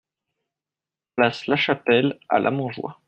Place Lachapelle à Lamontjoie